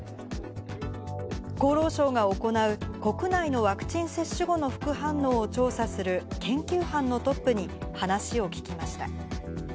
厚労省が行う、国内のワクチン接種後の副反応を調査する研究班のトップに話を聞きました。